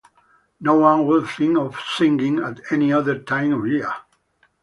No one would think of swinging at any other time of year.